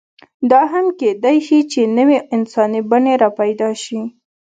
دا هم کېدی شي، چې نوې انساني بڼې راپیدا شي.